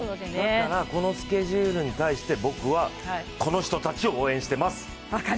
だからこのスケジュールに対して僕は、この人たちを応援してます！